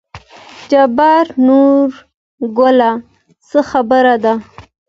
جبار: نورګله څه خبره ده.